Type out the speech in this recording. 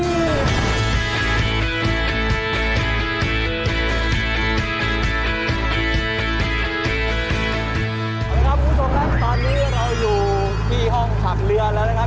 เอาละครับคุณผู้ชมครับตอนนี้เราอยู่ที่ห้องพักเรือแล้วนะครับ